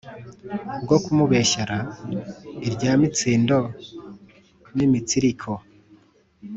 bwokumubeshyara irya mitsindo nimitsiriko